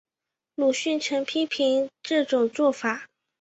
鲁迅曾批评这种做法。